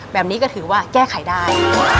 แบบนี้ก็ถือว่าแก้ไขได้